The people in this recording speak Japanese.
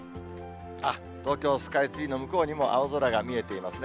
東京スカイツリーの向こうにも、青空が見えていますね。